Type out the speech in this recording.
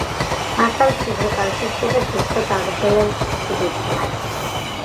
მასთან მჭიდრო კავშირშია და თითქოს და აგრძელებს კიდეც მას.